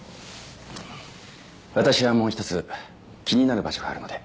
私はもう一つ気になる場所があるので。